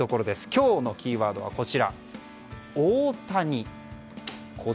今日のキーワードは、オオタニ。